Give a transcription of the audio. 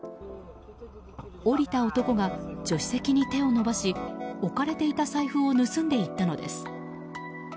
降りた男が助手席に手を伸ばし置かれていた財布を盗んでいったのです。